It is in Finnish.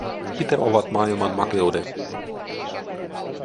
Mitä ovat maailman makeudet?